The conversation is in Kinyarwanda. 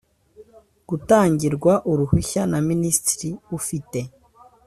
gutangirwa uruhushya na minisitiri ufite